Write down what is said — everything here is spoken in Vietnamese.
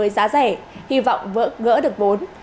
giá rẻ hy vọng vỡ gỡ được vốn